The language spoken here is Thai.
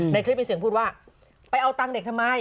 ในคลิปมีเสียงพูดว่าไปเอาตังค์เด็กทำไม